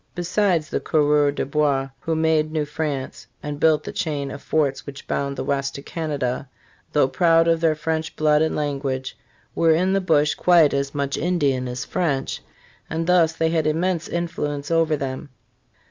* Besides, the conreurs des bois, who made New France and built the chain of forts which bound the West to Canada, though proud of their French blood and language, were in the bush quite as much Indian as French, and thus they had immense influence over them.